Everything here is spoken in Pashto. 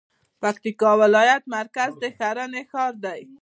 پکتيکا ولايت مرکز د ښرنې ښار دی